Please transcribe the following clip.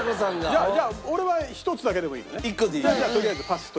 じゃあじゃあ俺は１つだけでもいいのね？